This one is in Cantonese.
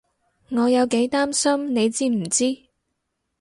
我有幾擔心你知唔知？